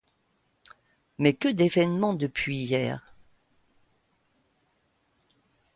Mais que d'événements depuis hier!